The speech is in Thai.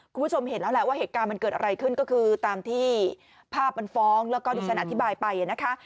คุณผู้ชมเห็นแล้วแหละว่าเหตุการณ์มันเกิดอะไรขึ้นก็คือตามที่ภาพมันฟ้องแล้วก็ดิฉันอธิบายไปนะคะ